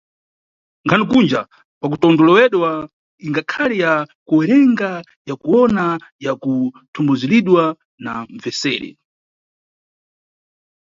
Nkhani kunja kwakutondolewedwa ingakhale ya ku werengedwa ya kuwona ya kuthumbudzulidwa na mbveseri.